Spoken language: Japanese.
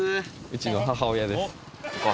うちの母親です。